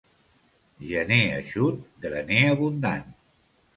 Gener eixut, graner abundant.